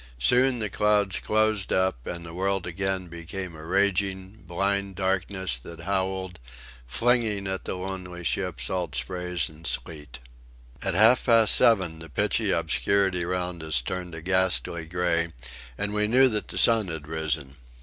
Soon the clouds closed up and the world again became a raging, blind darkness that howled, flinging at the lonely ship salt sprays and sleet. About half past seven the pitchy obscurity round us turned a ghastly grey, and we knew that the sun had risen.